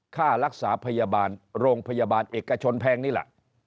ค่ารักษาพยาบาลโรงพยาบาลเอกชนแพงนี่แหละ